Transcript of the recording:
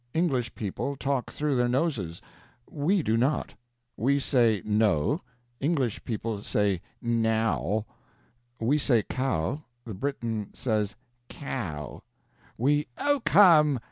English people talk through their noses; we do not. We say know, English people say nao; we say cow, the Briton says kaow; we " "Oh, come!